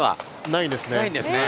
ないんですね。